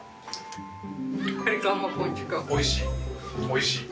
おいしい。